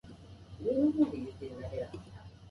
君が笑顔になる瞬間なんで泣けてくるんだろう